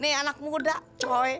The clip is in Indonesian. nih anak muda coy